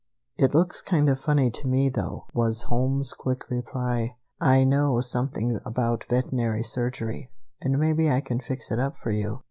It looks kind of funny to me, though," was Holmes's quick reply. "I know something about veterinary surgery, and maybe I can fix it up for you.